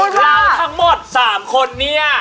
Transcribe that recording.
เราทั้งหมด๓คนเนี่ย